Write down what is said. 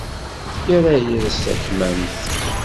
Irra-yas takmamt.